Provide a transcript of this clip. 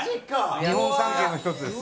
日本三景の一つです。